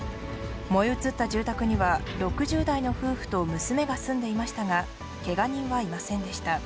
燃え移った住宅には６０代の夫婦と娘が住んでいましたが、けが人はいませんでした。